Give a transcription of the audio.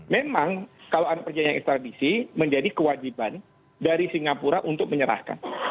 memang kalau ada perjanjian ekstradisi menjadi kewajiban dari singapura untuk menyerahkan